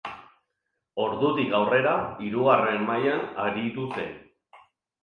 Ordutik aurrera hirugarren mailan aritu zen.